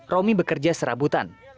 romi bekerja serabutan